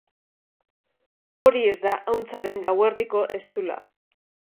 Hori ez da ahuntzaren gauerdiko eztula.